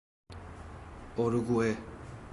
اروگوئه